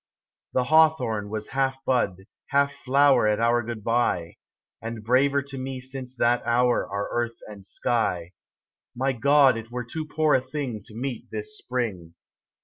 The hawthorn was half bud, half flower, At our goodbye ; And braver to me since that hour Are earth and sky : My God, it were too poor a thing To meet this spring.